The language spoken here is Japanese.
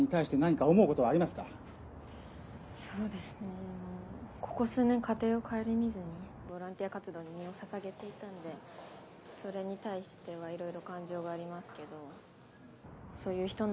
そうですね「ボランティア活動に身をささげていたのでそれに対してはいろいろ感情がありますけど」。